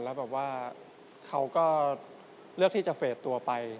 แล้วแบบว่าเขาก็เลือกที่จะเฟสตัวไป